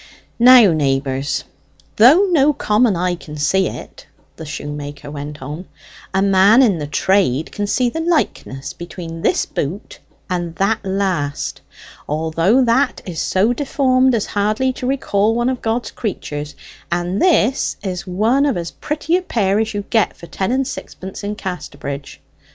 "Now, neighbours, though no common eye can see it," the shoemaker went on, "a man in the trade can see the likeness between this boot and that last, although that is so deformed as hardly to recall one of God's creatures, and this is one of as pretty a pair as you'd get for ten and sixpence in Casterbridge.